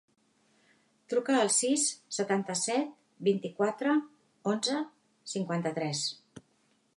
Truca al sis, setanta-set, vint-i-quatre, onze, cinquanta-tres.